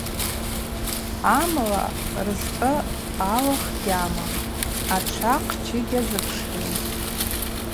Амла рызкъ алых гьамам, ачва хъчы йгьазыпшгӏум.